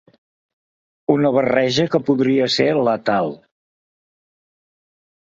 Una barreja que podria ser letal.